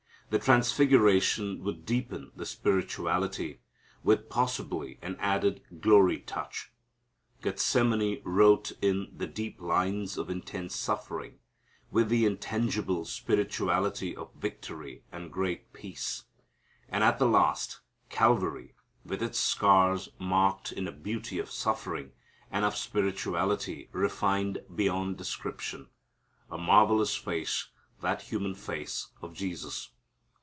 The Transfiguration would deepen the spirituality, with possibly an added glory touch. Gethsemane wrote in the deep lines of intense suffering, with the intangible spirituality of victory and great peace. And, at the last, Calvary with its scars marked in a beauty of suffering and of spirituality refined beyond description. A marvellous face that human face of Jesus.